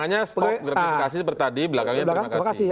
makanya stop gratifikasi seperti tadi belakangnya terima kasih